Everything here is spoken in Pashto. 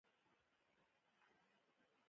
د پخلي پر وخت خپل سر په ټیکري یا څادر کې پټ کړئ.